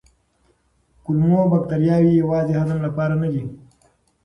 کولمو بکتریاوې یوازې هضم لپاره نه دي.